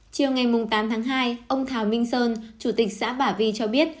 chiều ngày tám tháng hai ông thảo minh sơn chủ tịch xã pả vi cho biết